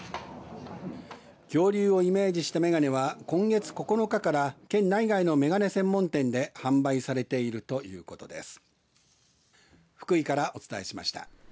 恐竜をイメージした眼鏡は今月９日から県内外の眼鏡専門店で販売されているということです。